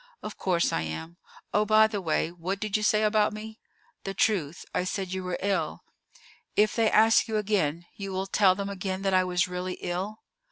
"Of course I am. Oh, by the way, what did you say about me?" "The truth. I said you were ill." "If they ask you again, you will tell them again that I was really ill?"